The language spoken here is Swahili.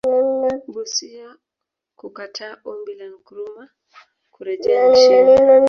Busia kukataa Ombi la Nkrumah kurejea nchini